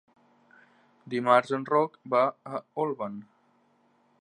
Dimarts en Roc va a Olvan.